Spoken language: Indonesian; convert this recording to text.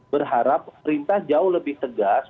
berharap perintah jauh lebih tegas